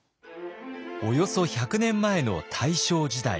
およそ１００年前の大正時代。